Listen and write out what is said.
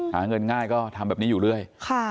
หาเงินง่ายก็ทำแบบนี้อยู่เรื่อย